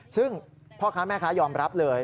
ซึ่งพ่อค้าแม่ค้ายอมรับเลย